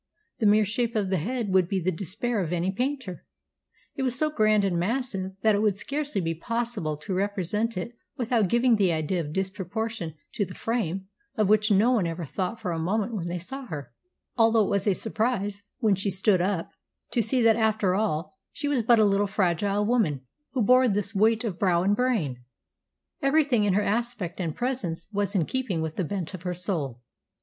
The mere shape of the head would be the despair of any painter. It was so grand and massive that it would scarcely be possible to represent it without giving the idea of disproportion to the frame of which no one ever thought for a moment when they saw her, although it was a surprise, when she stood up, to see that after all, she was but a little fragile woman who bore this weight of brow and brain." [Sidenote: The Century, 1881.] "Everything in her aspect and presence was in keeping with the bent of her soul.